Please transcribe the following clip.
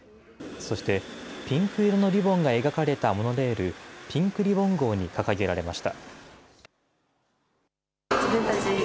そして、ピンク色のリボンが描かれたモノレール、ピンクリボン号に掲げられました。